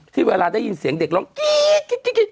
ที่เวลาได้ยินเสียงเด็กร้องกี้